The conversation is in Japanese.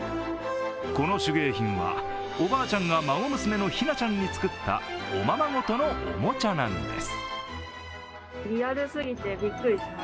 この手芸品は、おばあちゃんが孫娘のひなちゃんに作ったおままごとの、おもちゃなんです。